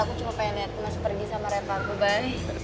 aku cuma pengen lihat mas pergi sama reva aku baik